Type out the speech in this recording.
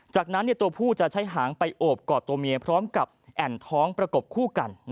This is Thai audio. จากนั้นตัวผู้จะใช้หางไปโอบกอดตัวเมียพร้อมกับแอ่นท้องประกบคู่กัน